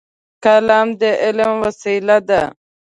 قلم د علم وسیله ده.